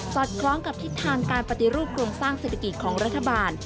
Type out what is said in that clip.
สอดคล้องกับทิศทางการปฏิรูปกรุงสร้างศิลปิศาจิติของรัฐบาล